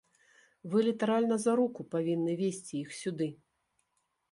Вы літаральна за руку павінны весці іх сюды.